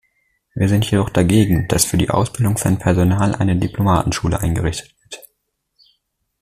Wir sind jedoch dagegen, dass für die Ausbildung von Personal eine Diplomatenschule eingerichtet wird.